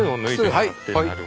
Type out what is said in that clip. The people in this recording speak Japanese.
はい。